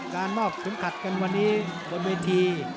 การมอบเข็มขัดกันวันนี้บนเวที